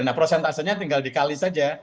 nah prosentasenya tinggal dikali saja